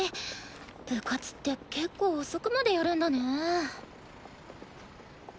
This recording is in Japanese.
部活ってけっこう遅くまでやるんだね。